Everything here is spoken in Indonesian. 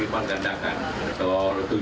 itu berasal dari di clinicut sejarah di bali